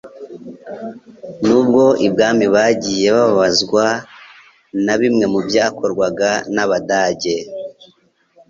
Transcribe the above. N'ubwo ibwami bagiye bababazwa na bimwe mu byakorwaga n'Abadage